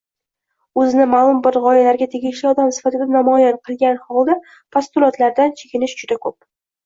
Oʻzini maʼlum bir gʻoyalarga tegishli odam sifatida namoyon qilgan holda postulatlardan chekinish juda koʻp.